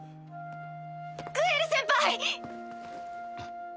グエル先輩！